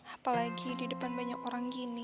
apalagi di depan banyak orang gini